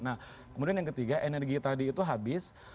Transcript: nah kemudian yang ketiga energi tadi itu habis